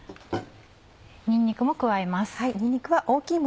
にんにくも加えます。